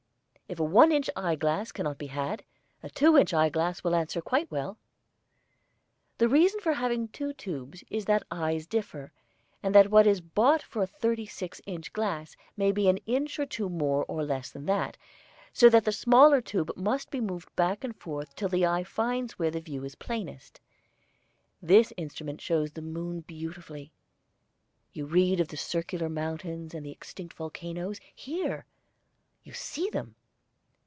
If a one inch eyeglass can not be had, a two inch eyeglass will answer quite well. The reason for having two tubes is that eyes differ, and that what is bought for a thirty six inch glass may be an inch or two more or less than that, so that the smaller tube must be moved back and forth till the eye finds where the view is plainest. This instrument shows the moon beautifully. You read of the circular mountains and the extinct volcanoes; here you see them.